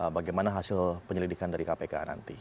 bagaimana hasil penyelidikan dari kpk nanti